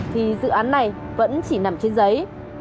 thì dự án này vẫn chỉ nằm trên giấy